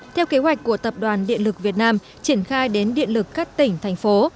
theo kế hoạch của tập đoàn điện lực việt nam triển khai đến điện lực các tỉnh thành phố